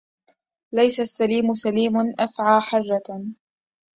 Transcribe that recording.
ليس السليم سليم أفعى حرة